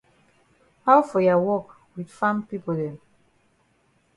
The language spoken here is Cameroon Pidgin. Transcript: How for ya wok wit farm pipo dem?